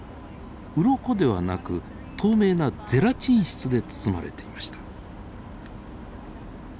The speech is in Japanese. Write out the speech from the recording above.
ウロコではなく透明なゼラチン質で包まれていました。